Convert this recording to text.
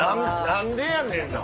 何でやねんな。